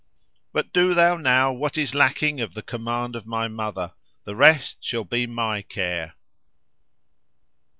But do thou now what is lacking of the command of my mother: the rest shall be my care."